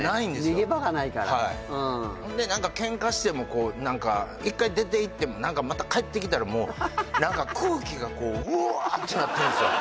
逃げ場がないからはいほんで何かケンカしても１回出ていってもまた帰ってきたらもう何かってなってるんですよ